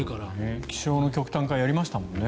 気象の極端化やりましたもんね。